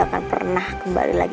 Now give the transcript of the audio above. baru aku pulang